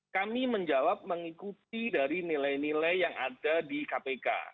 kami menjawab mengikuti dari nilai nilai yang ada di kpk